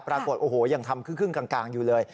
ปรากฏโอ้โหยังทำครึ่งกลางอยู่เลย